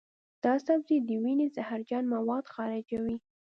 دا سبزی د وینې زهرجن مواد خارجوي.